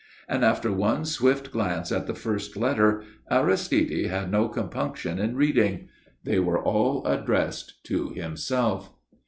And, after one swift glance at the first letter, Aristide had no compunction in reading. They were all addressed to himself.